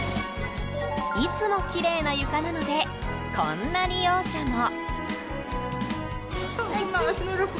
いつもきれいな床なのでこんな利用者も。